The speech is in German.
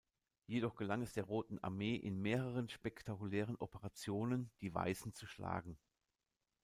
Jedoch gelang es der Roten Armee in mehreren spektakulären Operationen die Weißen zu schlagen.